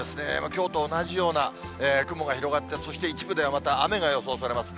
きょうと同じような雲が広がって、そして一部ではまた雨が予想されます。